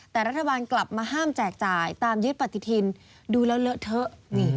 แต่รัฐบาลกลับมาห้ามแจกจ่ายตามยึดปฏิทินดูแล้วเลอะเทอะ